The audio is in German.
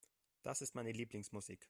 Das ist meine Lieblingsmusik.